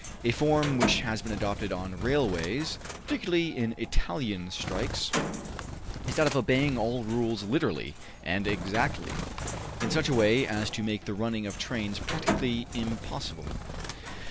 A form which has been adopted on railways, particularly in Italian strikes, is that of obeying all rules literally and exactly, in such a way as to make the running of trains practically impossible.